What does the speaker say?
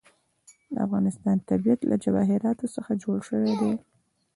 د افغانستان طبیعت له جواهرات څخه جوړ شوی دی.